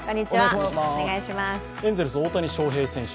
エンゼルス・大谷翔平選手